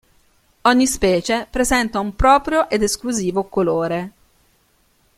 Ogni specie presenta un proprio ed esclusivo colore.